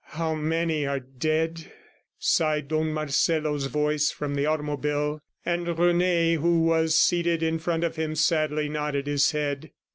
"How many are dead!" sighed Don Marcelo's voice from the automobile. And Rene, who was seated in front of him, sadly nodded his head.